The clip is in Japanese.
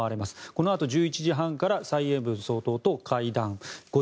このあと１１時半から蔡英文総統と会談。